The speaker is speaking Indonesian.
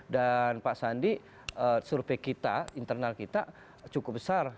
dan pak sandi survei kita internal kita cukup besar